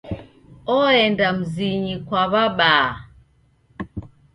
Oenda mzinyi kwa w'abaa.